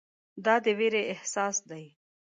دا د ویرې احساس دی.